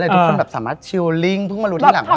ทุกคนแบบสามารถชิลลิ่งเพิ่งมารู้ทีหลังว่า